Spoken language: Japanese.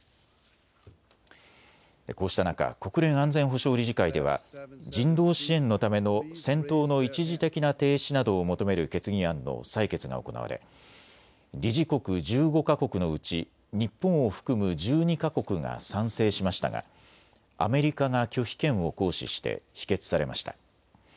こうした中、国連安全保障理事会では人道支援のための戦闘の一時的な停止などを求める決議案の採決が行われ理事国１５か国のうち日本を含む１２か国が賛成しましたがアメリカが拒否権を行使して否決されました。